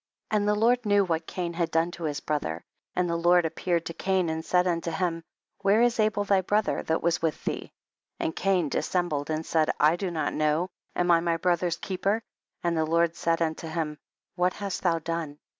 28. And the Lord knew what Cain had done to his brother, and the Lord appeared to Cain and said unto him, where is Abel thy brother that was with thee ? 29. And Cain dissembled, and said, I do not know, am I my bro ther's keeper ? And the Lord said unto him, what hast thou done